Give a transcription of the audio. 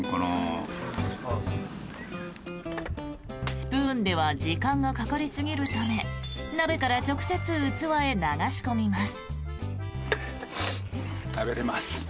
スプーンでは時間がかかりすぎるため鍋から直接器へ流し込みます。